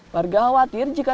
warga khawatir jika tas tersendiri